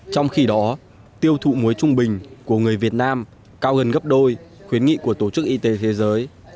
trong khi đó tiêu thụ muối trung bình của người việt nam cao gần gấp đôi khuyến nghị của tổ chức y tế thế giới